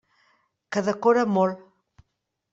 Que decora molt.